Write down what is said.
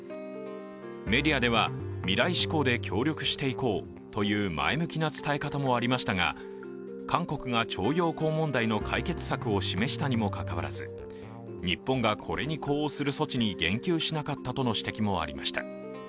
メディアでは未来志向で協力していこうという前向きな伝え方もありましたが、韓国が徴用工問題の解決策を示したにもかかわらず、日本がこれに呼応する措置に言及しなかったとの指摘もありました。